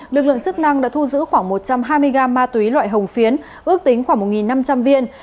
lực lượng chức năng đã thu giữ khoảng một trăm hai mươi gam ma túy loại hồng phiến ước tính khoảng một năm trăm linh viên